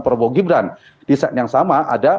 prabowo gibran di set yang sama ada